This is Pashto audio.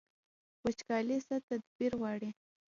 وچکالي څه تدبیر غواړي؟